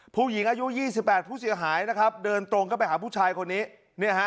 ผู้หญิงอายุ๒๘ผู้เสียหายเดินตรงกันไปหาผู้ชายคนนี้